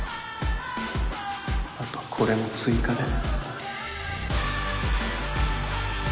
あとこれも追加で